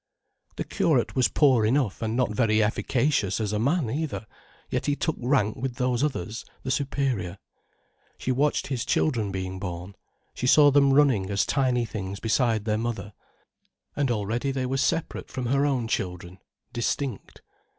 The curate was poor enough, and not very efficacious as a man, either, yet he took rank with those others, the superior. She watched his children being born, she saw them running as tiny things beside their mother. And already they were separate from her own children, distinct.